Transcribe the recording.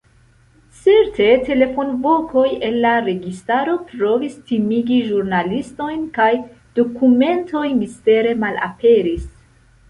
Cetere telefonvokoj el la registaro provis timigi ĵurnalistojn kaj dokumentoj mistere malaperis.